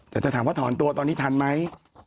แต่จะถามว่าถอนตัวตอนนี้ทันไหม